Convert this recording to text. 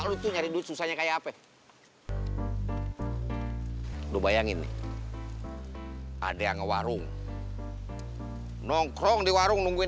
lutu nyari duit susahnya kayak apa lu bayangin nih ada yang warung nongkrong di warung nungguin